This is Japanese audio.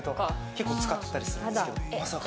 結構使ってたりするんですけどまさか。